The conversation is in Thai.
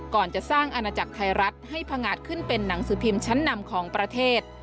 จะสร้างอาณาจักรไทยรัฐให้พังงาดขึ้นเป็นหนังสือพิมพ์ชั้นนำของประเทศ